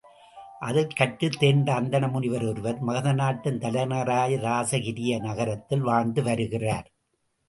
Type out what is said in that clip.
அதில் கற்றுத் தேர்ந்த அந்தண முனிவர் ஒருவர் மகத நாட்டின் தலைநகராகிய இராசகிரிய நகரத்தில் வாழ்ந்து வருகிறார்.